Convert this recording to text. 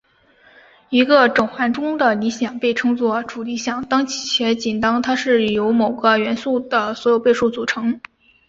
一个整环中的理想被称作主理想当且仅当它是由某个元素的所有倍数组成。